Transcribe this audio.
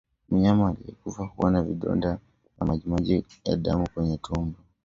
Mnyama aliyekufa huwa na vidonda na majimaji ya damu kwenye tumbo